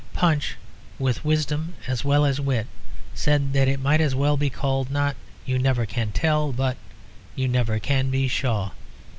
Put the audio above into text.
Punch, with wisdom as well as wit, said that it might well be called not "You Never Can Tell" but "You Never Can be Shaw."